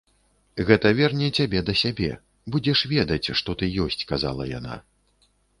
Гэта верне цябе да сябе, будзеш ведаць, што ты ёсць, казала яна.